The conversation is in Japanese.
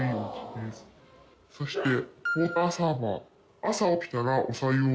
そして。